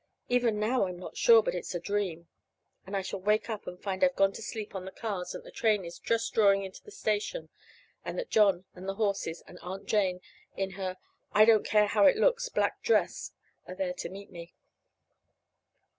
Even now I'm not sure but it's a dream, and I shall wake up and find I've gone to sleep on the cars, and that the train is just drawing into the station, and that John and the horses, and Aunt Jane in her I don't care how it looks black dress are there to meet me.